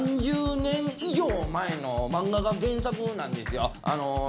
３０年以上前の漫画が原作なんですよ。